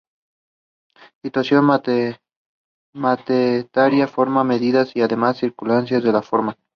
Descripción histórica de su situación, materia, forma, medidas y demás circunstancias que la forman.